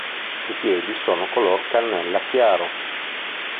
I piedi sono color cannella chiaro.